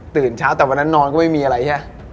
ตื่นเช้าแต่วันนั้นนอนก็ไม่มีอะไรใช่ไหม